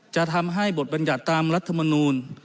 จะทำให้บทบรรยัติตามรัฐมนูล